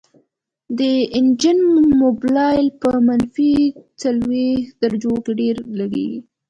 د انجن موبلاین په منفي څلوېښت درجو کې ډیر کلکیږي